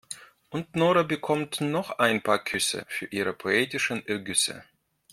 Und Nora bekommt noch ein paar Küsse für ihre poetischen Ergüsse.